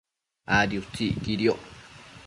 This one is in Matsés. Adi utsi iquidioc